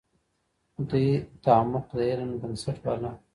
دوی تعمق د علم بنسټ باله.